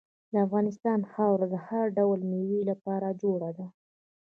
د افغانستان خاوره د هر ډول میوې لپاره جوړه ده.